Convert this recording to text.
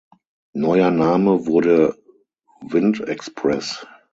Neuer Name wurde "Wind Express".